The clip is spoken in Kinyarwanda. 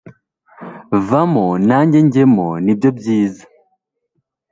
vamo nange ngemo nibyo byiza